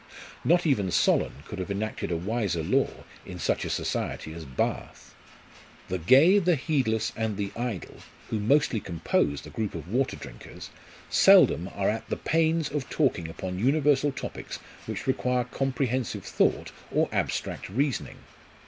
Not even Solon could have enacted a wiser law in such a society as Bath. The gay, the heedless, and the idle, who mostly compose the group of water drinkers, seldom are at the pains of talking upon universal topics which require comprehensive thought or abstract reasoning.